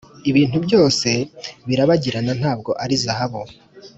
ibintu byose birabagirana ntabwo ari zahabu.